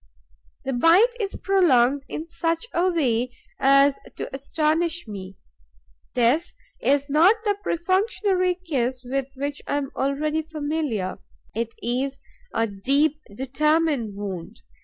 The bite is prolonged in such a way as to astonish me. This is not the perfunctory kiss with which I am already familiar; it is a deep, determined wound.